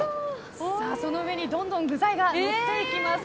その上にどんどん具材がのっていきます。